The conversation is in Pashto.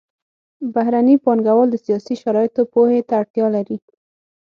بهرني پانګوال د سیاسي شرایطو پوهې ته اړتیا لري